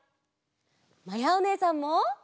まやおねえさんも！